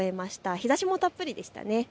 日ざしもたっぷりでしたね。